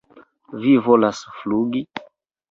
Vi volas flugi?